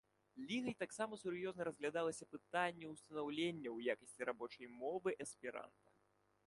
Лігай таксама сур'ёзна разглядалася пытанне ўстанаўленне ў якасці рабочай мовы эсперанта.